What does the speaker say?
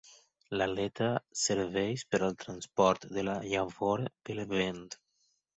L'aleta serveix per al transport de la llavor pel vent.